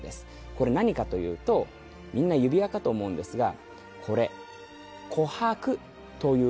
これ何かというとみんな指輪かと思うんですがこれ琥珀という名の宝石の一種です。